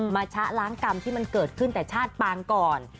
ชะล้างกรรมที่มันเกิดขึ้นแต่ชาติปางก่อน